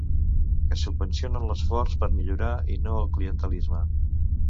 Que subvencionen l’esforç per millorar i no el clientelisme.